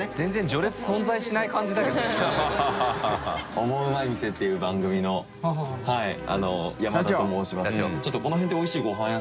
オモウマい店」っていう番組の山田と申します。